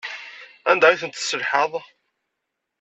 Anda ay tent-tesselhaḍ?